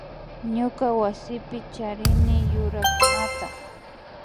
Ñuka wasipi charini yurakunata